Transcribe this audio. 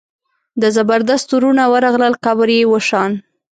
د زبردست وروڼه ورغلل قبر یې وشان.